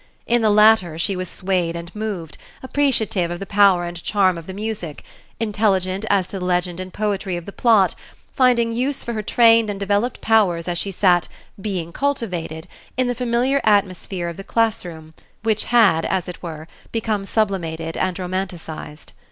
In the latter she was swayed and moved, appreciative of the power and charm of the music, intelligent as to the legend and poetry of the plot, finding use for her trained and developed powers as she sat "being cultivated" in the familiar atmosphere of the classroom which had, as it were, become sublimated and romanticized.